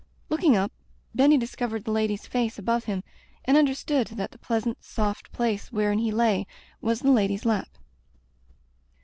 Looking up, Benny discovered the Lady's face above him and understood that die pleasant soft place wherein he lay was the Lady's lap.